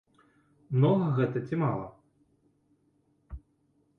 Многа гэта ці мала?